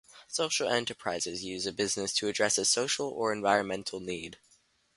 Social enterprises use a business to address a social or environmental need.